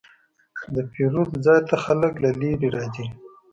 د پیرود ځای ته خلک له لرې راځي.